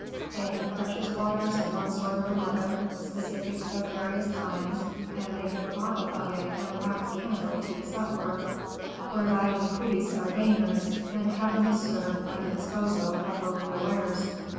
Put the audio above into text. They have precious waters of one sort or another; specifics of various kinds; and they give a bottle of it and a wax candle to the sufferer, whereby the priests are gainers, and Heaven is served by the disposal of both their wares.